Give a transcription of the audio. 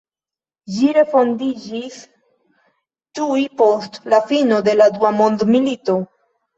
Ĝi refondiĝis tuj post la fino de la Dua Mondmilito.